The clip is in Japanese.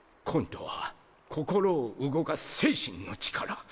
魂とは心を動かす精神の力。